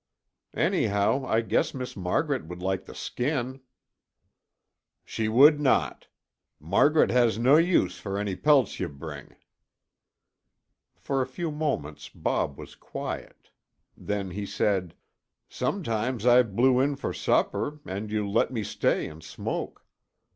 "Anyhow, I guess Miss Margaret would like the skin." "She would not. Margaret has nae use for ony pelts ye bring." For a few moments Bob was quiet. Then he said, "Sometimes I blew in for supper and you let me stay and smoke.